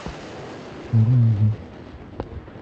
chere ọzọ